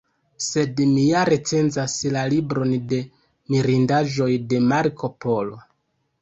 Sed mi ja recenzas La libron de mirindaĵoj de Marko Polo.